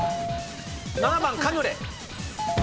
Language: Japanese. ７番カヌレ。